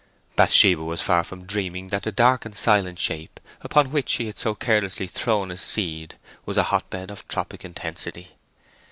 Bathsheba was far from dreaming that the dark and silent shape upon which she had so carelessly thrown a seed was a hotbed of tropic intensity.